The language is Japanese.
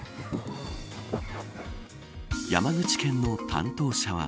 山口県の担当者は。